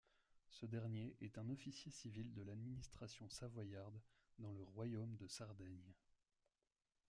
Ce dernier est un officier civil de l'administration savoyarde, dans le royaume de Sardaigne.